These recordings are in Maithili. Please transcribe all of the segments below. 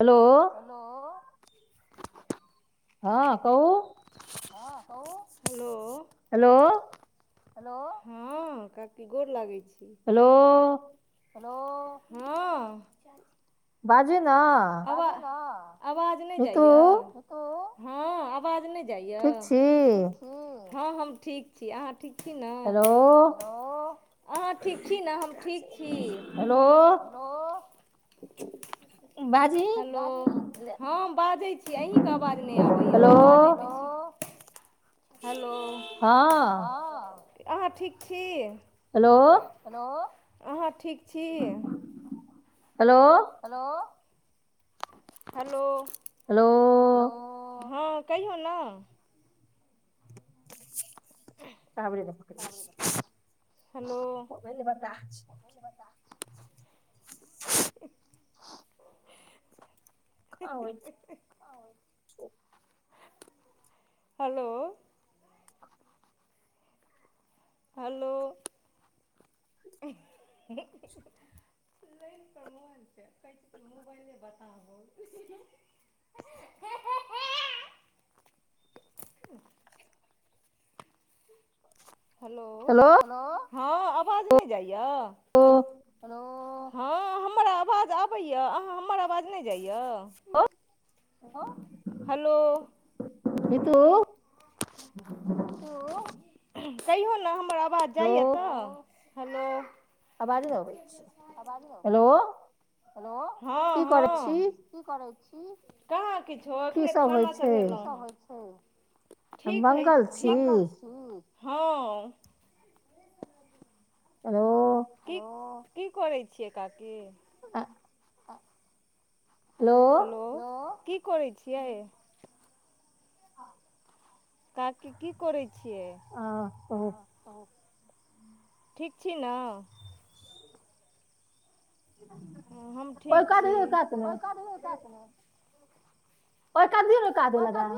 हेलो हेलो हऽ कहु हऽ कहु हेलो हेलो हेलो हऽ काकी गोर लागै छी। हेलो हेलो हऽ बाजही न [unintelligible] हँ हम ठीक छी अहाँ ठीक छी ने हेलो अहाँ ठीक छी ने हम ठीक छी हेलो हेलो हम बाजै छी अहीँके आवाज नहि आबैए बाजै हेलो ह अहा ठीक छी हेलो हेलो अहा ठीक छी hello hello hello hello hello ह कहियौ न [unintelligible] [unintelligible] बता [unintelligible] हेलो हेलो [unintelligible] छै कहै मोबाइले बता भ गले हेलो हो हँ आवाज नहि जाइय होलो हँ हमर आवाज आबैय अहाँ हमर आवाज नहि जाइय हेलो नीतू ओ कहियौ ने हमर आवाज जाइए तऽ हेलो आवाजे ने अबै छी हेलो हेलो हँ हँ की करै छी कहाँ कीच अखने खाना चादलो ह ठीक ह ठीक हँ हेलो हेलो की की करै छियै काकी आ हेलो की करै छियै काकी की करै छियै ठीक छी न हँ हम ठीक छी आ कत दिन कादो लगा [unintelligible]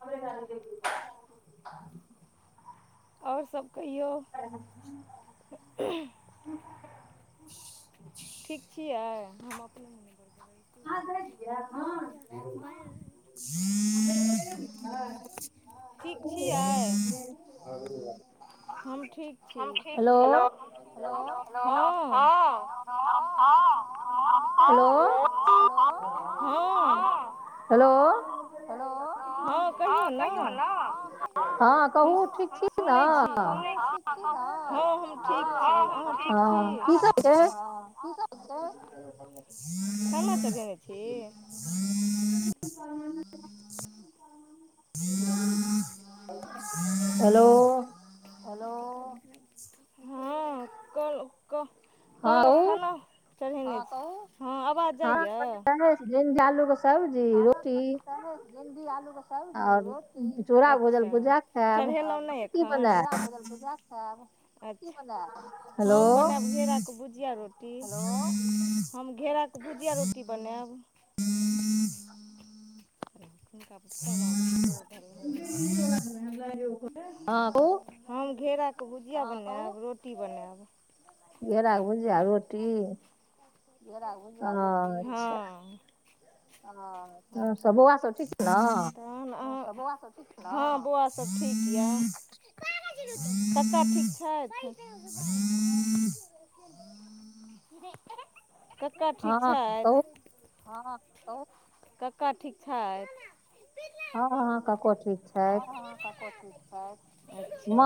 हमर [unintelligible] आओर सभ कहियौ [unintelligible] ठीक छियै हम अपने आ हँ [unintelligible] [unintelligible] ठीक छियै हम ठीक छी हेलो हँ [unintelligible] हेलो [unintelligible] [unintelligible] ठिके छै [unintelligible] खाना चढ़ेने छी [unintelligible] [unintelligible] हेलो हु [unintelligible] कहलु खाना चढ़ेने हऽ कहूँ हऽ आवाज [unintelligible] खाना भिंडी आलू केँ सब्जी रोटी अच्छा चड़हेलौ नै अखन [unintelligible] हम बनैब घेरा कऽ भुजिया रोटी हेलो हम घेरा कऽ भुजिया रोटी बनैब [unintelligible] [unintelligible] हम घेरा कऽ भुजिआ बनैब रोटी बनैब घेरा कऽ भुजिया रोटी घेरा कऽ भुजिया रोटी हऽ [inaudible] और सब बौआ सब ठीक छै न तहन अहाँ बौआ सब ठिक न हँ बौआ सभ ठीक [unintelligible] कक्का ठीक छैथ हऽ कहु कक्का ठीक छैथ [unintelligible] हऽ कक्को ठीक छैथ अच्छा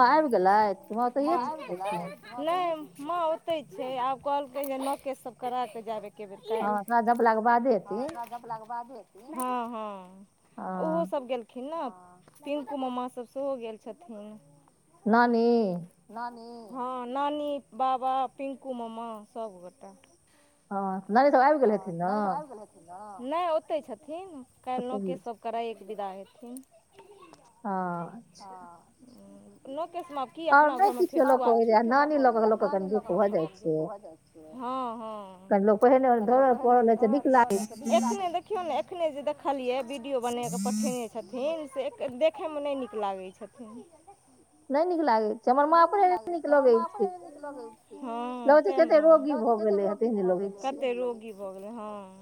माँ आइब गेलैथ नै माँ ओतै छै आब कहलकै जे नकेश सब करा कऽ जैब ए केँ बेर काइल [inaudible] हऽ तब गपला केँ बादे हऽ हऽ ओहो सब गेलखिन न पिकुमम्मा सब सेहो गेल छथिन नानी नानी हऽ नानी बाबा पिंकू मामा सभगोटा हऽ नानी सब आइ हऽ नानी सब आइब गेलै है नै ओतै छथिन काइल नकेश सब कराइए कऽ विदा हेथिन हऽ हऽ [inaudible] न केश म की अपना घर में फेर छुआ और नै किछ लऽ कऽ नानी लऽ कऽ कनी दुख भऽ जाय छै [unintelligible] देखियौ न एखने जे देखलिये वीडियो बना केँ पठेने छथिन से देखै में नै नीक लागै छथिन नै नीक लागै नै नीक लागै छै हमर माँ अपने नै नीक लगै छै हऽ तै न लगै छै कते रोग रोगी भऽ गेलै कते रोगी भऽ गेलै हँ [inaudible]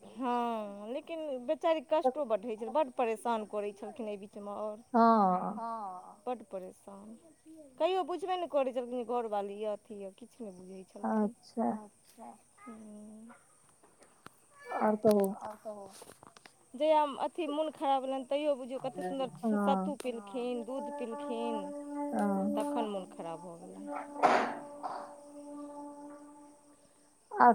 हँ लेकिन बेचारी कष्टो बड होय छलै बड परेशान करै छलखिन एय बीचमे ओर हँ हँ बड्ड परेशान कहियो बुझबे नै करै छलखिन घरवाली य अथी य किछ नइ बुझै छलखिन अच्छा ओर कहू जहिया अथी मोन खराब भेलेन तहियो बुझयो कते सुन्दर सत्तू पीलखिन दूध पीलखिन तखन मोन खराब भऽ गेलै आ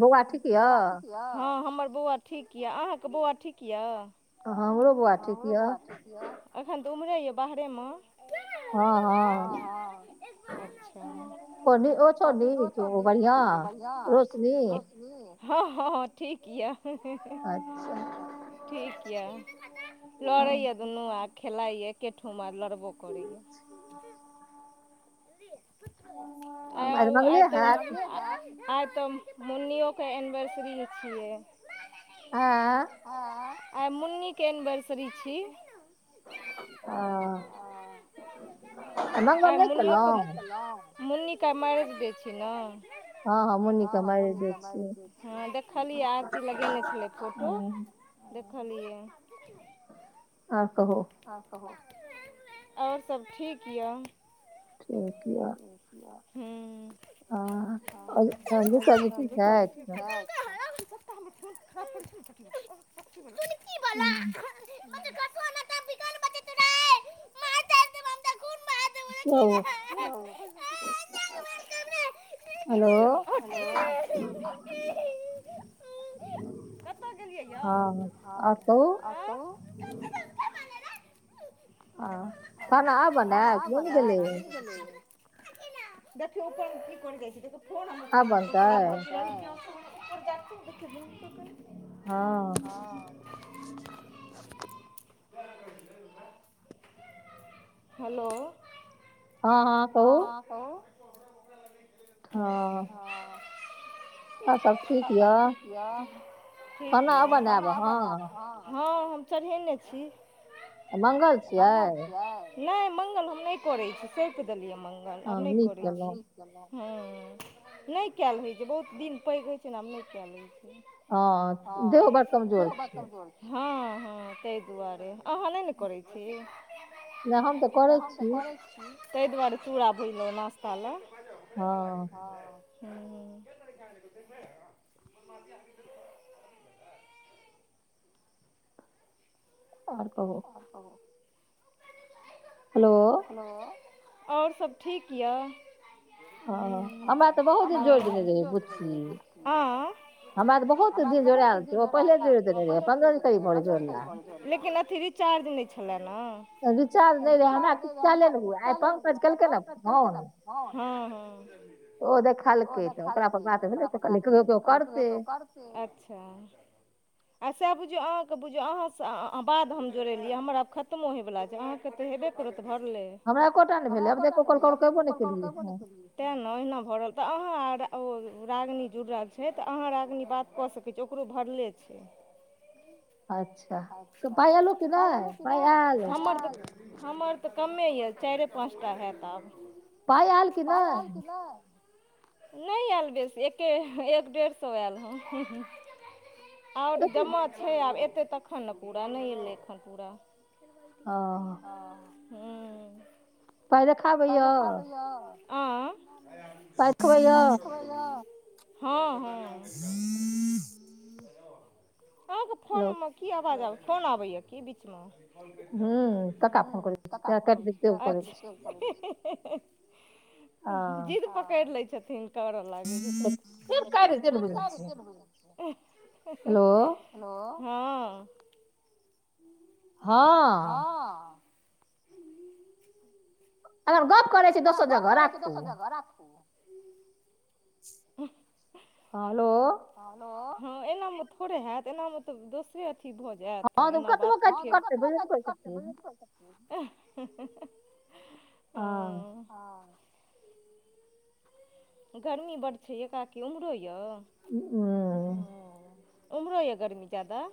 बौआ ठीक यऽ हँ हमर बौआ ठीक यए अहाँके बौआ ठीक यए हमरो बौआ ठीक अखन तऽ उम्हरे यए बाहरे में हँ हँ ओ नी ओ छो नीक बढ़िया रोशनी हँ हँ हँ ठीक यए ठीक यऽ लड़ैया दुनू आब खेलाइ या एकेठुम आर लड़बो करै या आ ओ आइ तो [inaudible] आइ तऽ मुन्नीयो के एनिवर्सरी छियै आऐ आइ मुन्नीक के एनिवर्सरी छी [unintelligible] आइ मुन् मुन्नीके आइ मैरेज डे छी न हँ हँ मुन्नी के मैरेज डे हँ देखलियै आरती लगेने छलै फोटो देखलियै ओर कहू ओर कहू ओर सब ठीक यऽ ठीक यऽ [inaudible] [inaudible] [inaudible] [inaudible] [unintelligible] हेलो कतऽ गेलियै यौ हँ आब कहू आ खाना बनैब कि बैन गेलै ै [inaudible] देखियो उपर में कि करे जाए छै देख फन हमर खराब कक राख प [inaudible] हँ हेलो हँ हँ हँ हँ कहू हँ अ सब ठीक यऽ ठीक यऽ खाना आब बनायब अहाँ चड़हेनै छी [unintelligible] मंगल छियै नै मंगल हम नै करै छी सैप देलियै मंगल आब नै करै छी हु नै कैल होइ छै बहुत दिन पैघ होइ छै न आब नै कैल होइ छै हऽ देहो बड़ कमजोड़ हऽ हऽ तैय दुआरे अहाँ नै न करै छी [unintelligible] हम तऽ करै छी तैय दुआरे चूरा भुलै नाश्ता लए हऽ [unintelligible] [unintelligible] और कहुँ [unintelligible] हेलो हेलो और सब ठीक यऽ [unintelligible] [unintelligible] चार्ज नै छलै न रिचार्ज नै रहै हमरा किछ काले नै हुए आइ पंकज केलकै न फोन [inaudible] ओ देखलकै तऽ ओकरा पर बात भेलै तऽ कहलिए कहियो कऽ कर अच्छा [inaudible] सैह बुझियो अहाँ कऽ बुझियो अहाँ स बाद हम जोड़ेलिए हमर आब खत्मो होइ वला छै अहाँ केँ तऽ हेबे करत भरले हमरा एकोटा नै भेलै हम तऽ एको टा नै भेलै हम तऽ कॉल करबो नै केलियै तैं न ओहिना भऽ तऽ अहाँ ओ रागिनी जुड़ल छै तऽ अहाँ रागिनी बात कऽ सकैै कहै छै ओकरो भरले छै अच्छ [unintelligible] हमर तऽकमें यऽ चाइरे पाँच टा हैत आब पैय ऐल कि नै नै एल बेसी एके एक डेढ़ सौ एक हऽ [unintelligible] और जमा छै आब एतै तखन न पूरा नै एलै एखन पूरा [unintelligible] [unintelligible] पाइ देखाबै यऽ [unintelligible] अहाँ कऽ फोन म की आवाज आबै फोन आबैए की बीच म [unintelligible] [inaudible] जिद पकड़ि लैय छथिन करब [unintelligible] हेलो हऽ हऽ अगर गप करै छी दोसर जगह राखू राखु [inaudible] -हऽ हलो हऽ हलो हऽ एना म थोड़े हैत एना म तऽ दोसरे अथी भऽ जैत एना बात [unintelligible] आ गर्मी बड्ड छैये काकी ओम्हरो यऽ हुँ हॅं उम्हरो यऽ गर्मी जादा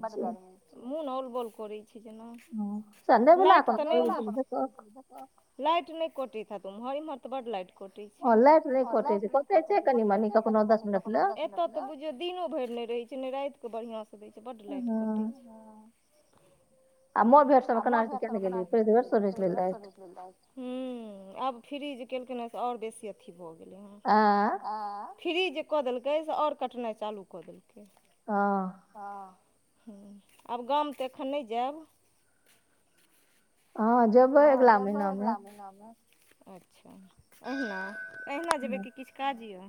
बड्ड गर्मी मोन औल बौल करै छै जेना लाइट त नय लाइट नय कटैत हेत ओम्हर इम्हर त बड्ड लाइट कटै छै हँ लाइट नय कटै छै कटै छै कनी मनी कखनो क ओतऽ तऽ बुझियौ दिनो भरि नय रहै छै नय राति कऽ बढ़ियाँ से दै छै बड्ड लाइट कटै छै आमो भेट आ म अभ्यास को च गेल त [unintelligible] हूँ आब फ्री जे केलकै हँ से आओर बेसी अथी भऽ गेलै हँन फ्री जे कऽ देलकै से आओर कटनाइ चालू कऽ देलकै हँ। हँ हुँ आब गाम तऽ एखन नय जैब अहाँ हँ जेबै अगिला महिनामे अच्छा अहिना अहिना जेबै कि किछ काज य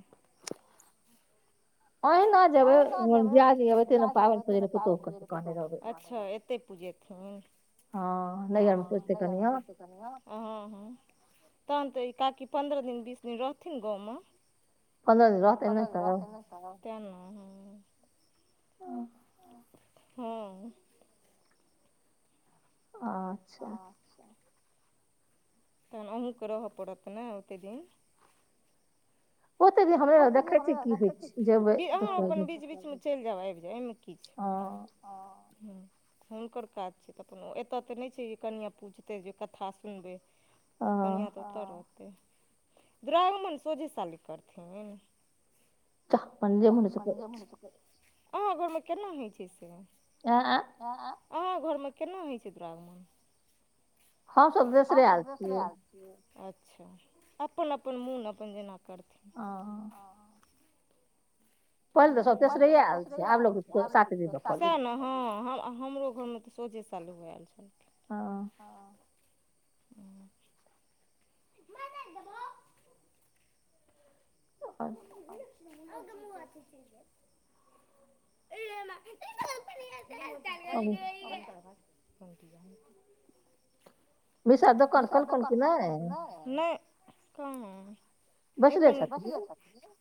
ओहिना अहिना जेबै [unintelligible] पाबनि कहु अच्छा एत पूजेथिन हँ नैहर मे पुजतै कनियाँ हुँ हुँ तहन तऽ ई काकि पन्द्रह दिन बीस दिन रहथिन गाँवमे पन्द्रह दिन रहतै नय त ओ हुँ आच्छा तहन अहूँके रहय पड़त ने ओते दिन ओते दिन हम ओते दिन हमरा दखै छियै कि होय छै अहाॅं अपन बीच बीचमे चलि जायब आबि जायब एहिमे की छै। हुँ हुनकर काज छै तऽ अपन एतय तऽ नय छै जे कनियाँ पूजतै जे कथा सुनबै कनियाँ तऽ ओतऽ रहतै दुरागमन सोझे साले करथिन [inaudible] अहाँ घरमे केना होइ छै से ऐं ऐं अहाँ घरमे केना होइ छै दुरागमन हम सब बेसरे आयल छियै अच्छा अपन अपन मोन अपन जेना करथिन हँ पहिले तऽ तेसरैये ऐल छियै आब लोक एते सैह न हँ हम हमरो घरमे तऽ सोझे सालू आएल छनि हुँ [inaudible] [inaudible] मिसर दोकान कलकन की नय नय कहाँ एखन